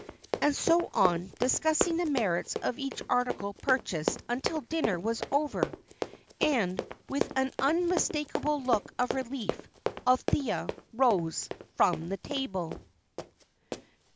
And so on, discussing the merits of each article purchased until dinner was over, and, with an unmistakable look of relief, Althea rose from the table.